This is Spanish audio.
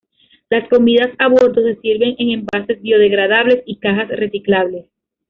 Las comidas a bordo se sirven en envases biodegradables y cajas reciclables.